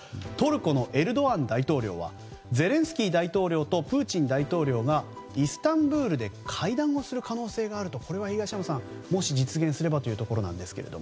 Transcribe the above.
トルコのエルドアン大統領はゼレンスキー大統領とプーチン大統領がイスタンブールで会談をする可能性があるとこれは東山さんもし実現すればというところですが。